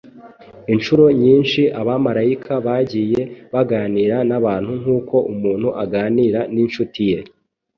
Incuro nyinshi abamarayika bagiye baganira n’abantu nk’uko umuntu aganira n’incuti ye,